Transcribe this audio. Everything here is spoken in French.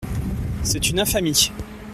C’est une infamie !…